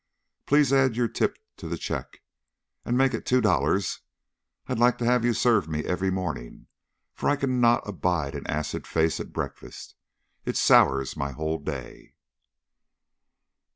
Please add your tip to the check, and make it two dollars. I'd like to have you serve me every morning, for I cannot abide an acid face at breakfast. It sours my whole day."